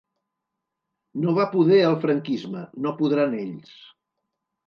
No va poder el franquisme, no podran ells.